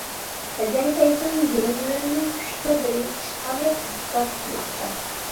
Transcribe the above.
ئەزەربەيجان زېمىنلىرىنىڭ ئۈچتە بىرى ئىشغالىيەت ئاستىدا تۇرماقتا.